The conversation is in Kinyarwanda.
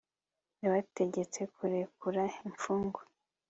yabategetse kurekura imfungwa